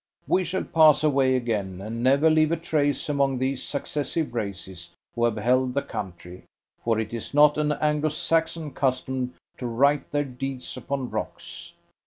"We shall pass away again, and never leave a trace among these successive races who have held the country, for it is not an Anglo Saxon custom to write their deeds upon rocks.